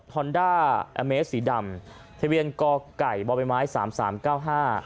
อนด้าแอเมสสีดำทะเบียนก่อไก่บ่อใบไม้สามสามเก้าห้า